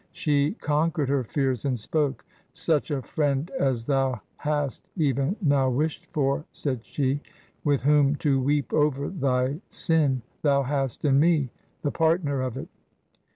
She conquered her fears, and spoke. 'Such a friend as thou hast even now wished for,' said she, 'with whom to weep over thy sin, thou hast in me, the partner of it!'